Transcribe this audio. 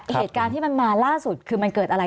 เหตุการณ์ที่มันมาล่าสุดคือมันเกิดอะไร